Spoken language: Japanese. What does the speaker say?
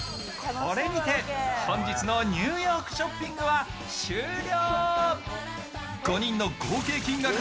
これにて本日の「ニューヨークショッピング」は終了。